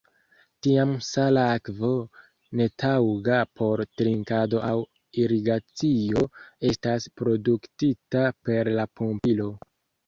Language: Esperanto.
Tiam sala akvo, netaŭga por trinkado aŭ irigacio, estas produktita per la pumpilo.